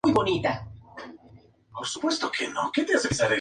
El núcleo original de la religión de Cartago se encuentra en Fenicia.